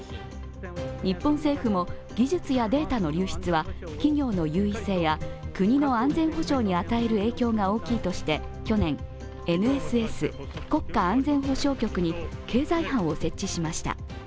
日本政府も技術やデータの流出は企業の優位性や国の安全保障に与える影響が大きいとして去年、ＮＳＳ＝国家安全保障局に経済班を設置しました。